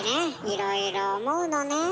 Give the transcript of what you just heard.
いろいろ思うのねえ。